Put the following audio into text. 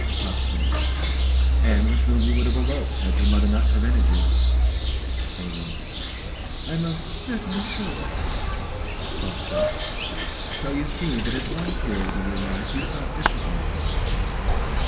CROCKSTEAD. And with whom you would have eloped, had your mother not prevented you. ALINE. I most certainly should. CROCKSTEAD. So you see that at one period of your life you thought differently.